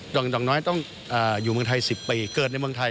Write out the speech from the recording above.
ดอกน้อยต้องอยู่เมืองไทย๑๐ปีเกิดในเมืองไทย